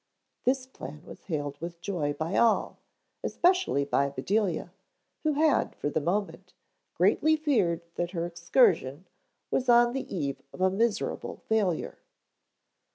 This plan was hailed with joy by all, especially by Bedelia, who had, for the moment, greatly feared that her excursion was on the eve of a miserable failure.